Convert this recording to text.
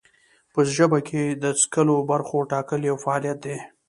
په ژبه کې د څکلو برخو ټاکل یو فعالیت دی.